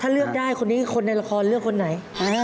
ถ้าเลือกได้คนนี้คนในละครเลือกคนไหน